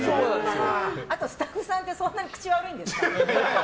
あとスタッフさんってそんな口悪いんですか？